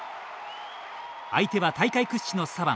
相手は大会屈指の左腕